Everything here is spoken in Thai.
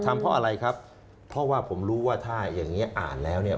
ทำเพราะอะไรครับเพราะว่าผมรู้ว่าถ้าอย่างเงี้อ่านแล้วเนี่ย